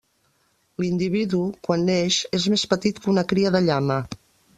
L'individu, quan neix, és més petit que una cria de llama.